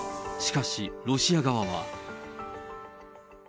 しかし、ロシア側は。